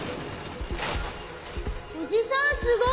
おじさんすごい！